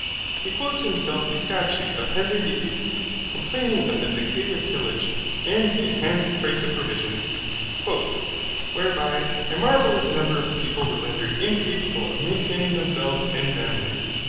He quotes himself a statute of Henry the Eighth, complaining of the decay of tillage, and the enhanced price of provisions, 'whereby a marvellous number of people were rendered incapable of maintaining themselves and families.'